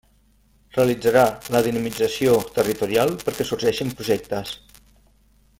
Realitzarà la dinamització territorial perquè sorgeixin projectes.